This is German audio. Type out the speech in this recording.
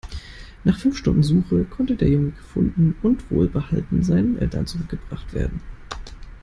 Nach fünf Stunden Suche konnte der Junge gefunden und wohlbehalten seinen Eltern zurückgebracht werden.